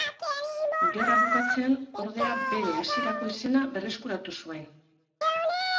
Gerra bukatzean ordea bere hasierako izena berreskuratu zuen.